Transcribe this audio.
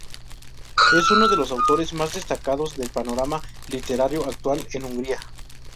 Es uno de los autores más destacados del panorama literario actual en Hungría.